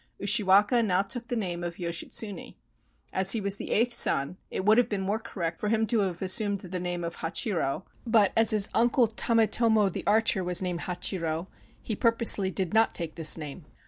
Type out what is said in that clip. Ushiwaka now took the name of Yoshitsune. As he was the eighth son, it would have been more correct for him to have assumed the name of Hachiro, but as his uncle Tame tomo the Archer was named Hachiro, he purposely did not take this name.